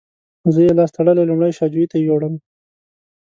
زه یې لاس تړلی لومړی شا جوی ته یووړم.